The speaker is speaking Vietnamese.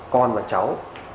con và cháu